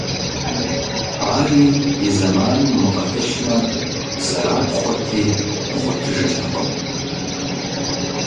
Ари и зэманым умыгъэтӀылъмэ, зэрапхъуэрти бгъуэтыжыртэкъым.